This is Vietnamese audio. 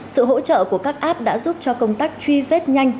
sự hỗ trợ của các app đã giúp cho công tác truy vết nhanh